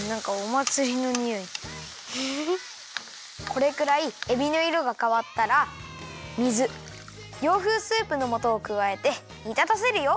これくらいえびのいろがかわったら水洋風スープのもとをくわえてにたたせるよ。